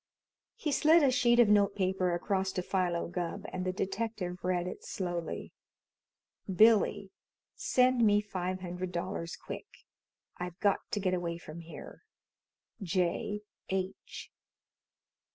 He slid a sheet of note paper across to Philo Gubb, and the detective read it slowly: Billy: Send me five hundred dollars quick. I've got to get away from here. J. H.